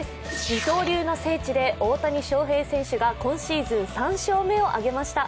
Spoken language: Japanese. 二刀流の聖地で大谷翔平選手が今シーズン３勝目を挙げました。